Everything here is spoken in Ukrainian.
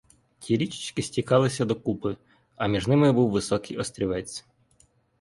Ті річечки стікалися докупи, а між ними був високий острівець.